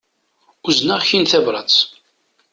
Uzneɣ-ak-in tabrat.